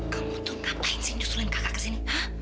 kamu tuh ngapain sih nyusulin kakak ke sini